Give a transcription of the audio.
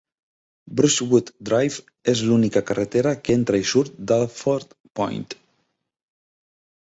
Brushwood Drive és l'única carretera que entra i surt d'Alfords Point.